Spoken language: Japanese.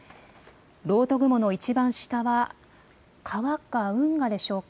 ろうと雲のいちばん下は川か運河でしょうか。